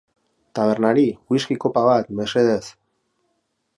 Tabernari, whisky-kopa bat, mesedez.